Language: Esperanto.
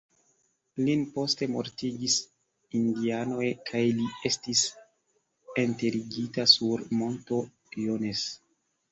Lin poste mortigis indianoj, kaj li estis enterigita sur monto "Jones".